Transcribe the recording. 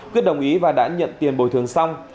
quyết đồng ý và đã nhận tiền bồi thường xong